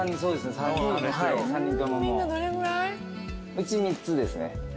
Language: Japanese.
うち３つですね。